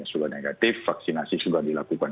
sudah negatif vaksinasi sudah dilakukan